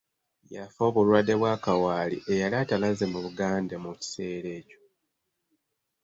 Yafa obulwadde bwa kawaali eyali atalaaze mu Buganda mu kiseera ekyo.